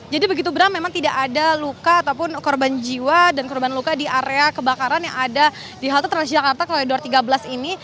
jadi begitu beram memang tidak ada luka ataupun korban jiwa dan korban luka di area kebakaran yang ada di halte transjakarta kloidor tiga belas ini